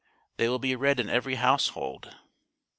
They will be read in every household.